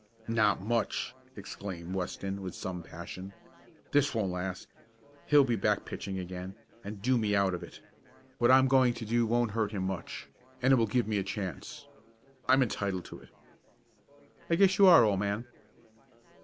"Not much!" exclaimed Weston, with some passion. "This won't last. He'll be back pitching again, and do me out of it. What I'm going to do won't hurt him much, and it will give me a chance. I'm entitled to it." "I guess you are, old man."